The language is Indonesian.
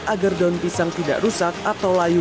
agar daun pisang tidak rusak atau layu